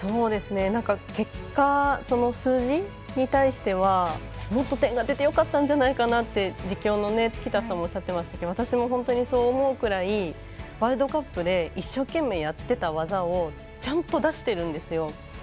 結果、数字に対してはもっと点が出てよかったんじゃないかなって実況の附田さんもおっしゃっていましたが私もそう思うくらいワールドカップで一生懸命やっていた技をちゃんと出してるんですよ。